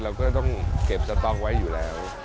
เราก็ต้องเก็บสตองไว้อยู่แล้ว